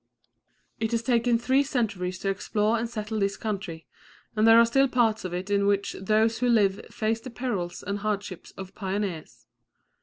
It has taken three centuries to explore and settle this country, and there are still parts of it in which those who live face the perils and hardships of pioneers.